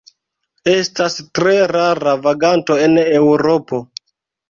Estas tre rara vaganto en Eŭropo.